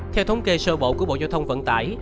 theo thống kê sơ bộ của bộ giao thông vận tải